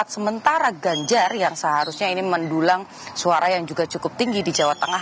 sementara ganjar yang seharusnya ini mendulang suara yang juga cukup tinggi di jawa tengah